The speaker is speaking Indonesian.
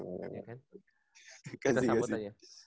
gak sih gak sih